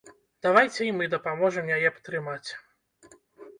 Давайце і мы дапаможам яе патрымаць!